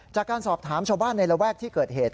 จากการสอบถามชาวบ้านในระแวกที่เกิดเหตุ